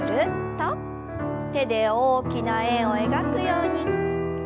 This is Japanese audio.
手で大きな円を描くように。